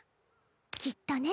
きっとね。